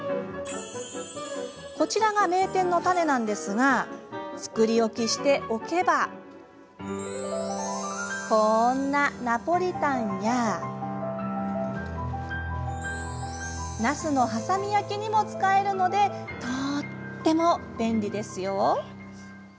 こちらが名店のタネなんですが作り置きしておけばこんなナポリタンやなすの挟み焼きにも使えるのでとっても便利ですよ。